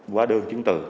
quá đơn chính từ